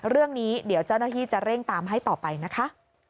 เรื่องนี้เดี๋ยวเจ้าหน้าที่จะเร่งตามให้ต่อไปนะคะ